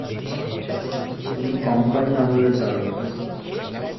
তিনি কোম্পানি আমলের দারোগা।